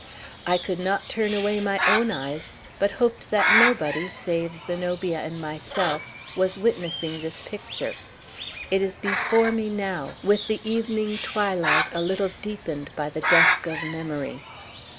I could not turn away my own eyes, but hoped that nobody, save Zenobia and myself, was witnessing this picture. It is before me now, with the evening twilight a little deepened by the dusk of memory.